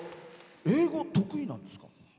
英語、得意なんですか？